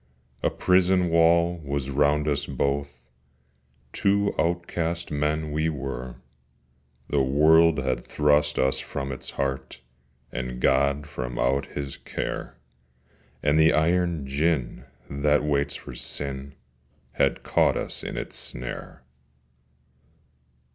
A prison wall was round us both, Two outcast men we were: The world had thrust us from its heart, And God from out His care: And the iron gin that waits for Sin Had caught us in its snare.